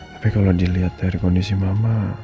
tapi kalau dilihat dari kondisi mama